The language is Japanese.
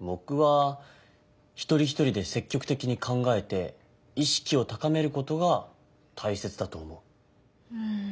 ぼくは「一人一人で積極的に考えて意識を高める」ことがたいせつだと思う。